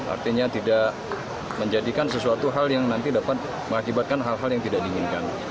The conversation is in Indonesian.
artinya tidak menjadikan sesuatu hal yang nanti dapat mengakibatkan hal hal yang tidak diinginkan